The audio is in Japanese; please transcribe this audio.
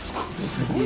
すごい。